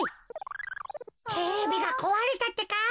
テレビがこわれたってか。